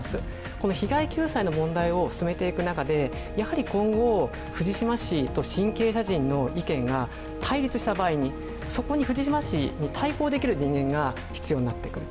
この被害救済の問題を進めていく中で、今後藤島氏と新経営陣の意見が対立した場合に、そこに藤島氏に対抗できる人間が必要になってくる。